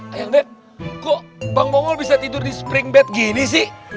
ayang nen kok bang mongol bisa tidur di spring bed gini sih